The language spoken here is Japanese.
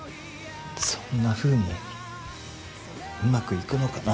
そんなふうにうまくいくのかな。